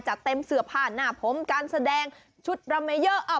จะเต็มเสื้อผ้าหน้าผมการแสดงชุดราเมเยอร์